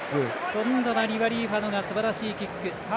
今度はリアリーファノがすばらしいキック。